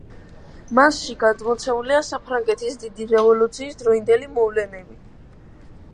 მასში გადმოცემულია საფრანგეთის დიდი რევოლუციის დროინდელი მოვლენები.